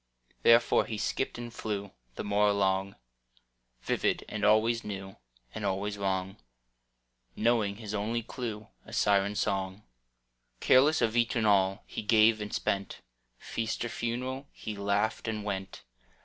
Therefore he skipped and flew The more along, Vivid and always new And always wrong, Knowing his only clew A siren song. Careless of each and all He gave and spent: Feast or a funeral He laughed and went.